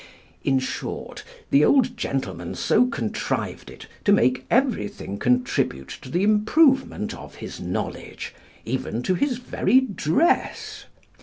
In short, the old gentleman so contrived it to make everything contribute to the improvement of his knowledge, even to his very dress.